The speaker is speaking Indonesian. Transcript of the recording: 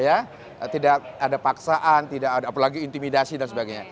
ya tidak ada paksaan tidak ada apalagi intimidasi dan sebagainya